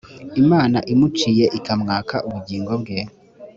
imana imuciye ikamwaka ubugingo bwe